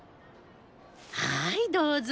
はいどうぞ。